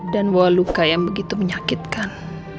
dan bawa luka yang begitu menyakitkan